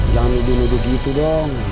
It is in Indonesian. jangan nuduh nuduh gitu dong